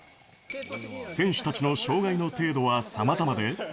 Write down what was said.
選手たちの障がいの程度は、さまざまで。